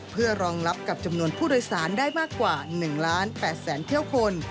เพื่อรองรับกับจำนวนผู้โดยสารได้มากกว่า๑ล้าน๘แสนเที่ยวคน